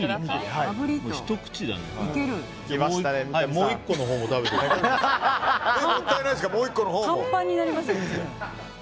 もう１個のほうも食べてくださいよ。